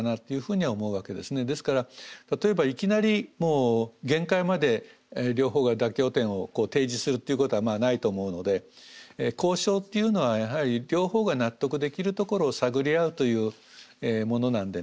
ですから例えばいきなりもう限界まで両方が妥協点を提示するっていうことはまあないと思うので交渉っていうのはやはり両方が納得できるところを探り合うというものなんでね。